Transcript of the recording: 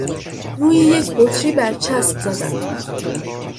روی یک بطری برچسب زدن